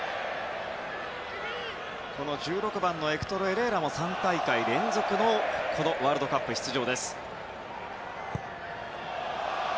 １６番のエクトル・エレーラも３大会連続のワールドカップ出場です。